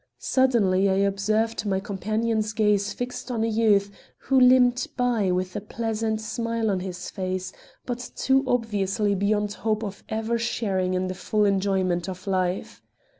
Suddenly I observed my companion's gaze fixed on a youth who limped by with a pleasant smile on his face, but too obviously beyond hope of ever sharing in the full enjoyment of life.